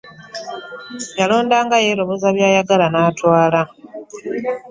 Yalondanga yeeroboza by'ayagala n'atwala.